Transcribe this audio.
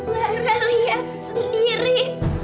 lara lihat sendiri